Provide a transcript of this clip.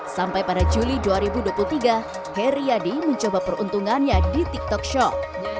sampai pada juli dua ribu dua puluh tiga heri yadi mencoba peruntungannya di tiktok shop